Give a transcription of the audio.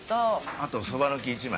あとそば抜き１枚。